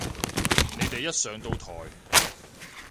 你哋一上到台